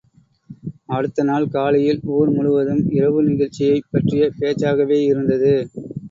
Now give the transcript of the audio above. அடுத்த நாள் காலையில் ஊர் முழுவதும் இரவு நிகழ்ச்சியைப் பற்றிய பேச்சாகவேயிருந்தது.